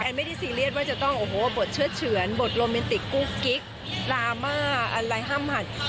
แอนไม่ได้ซีเรียสว่าจะต้องบทเชื้อเฉือนบทโรแมนติกลามาอะไรห้ามหัน